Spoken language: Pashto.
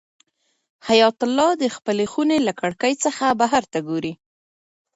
حیات الله د خپلې خونې له کړکۍ څخه بهر ته ګوري.